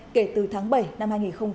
kể từ tháng bảy năm hai nghìn một mươi bốn